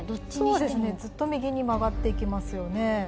そうですねずっと右に曲がっていきますよね。